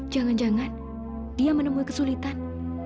jangan jangan dia menemui kesulitan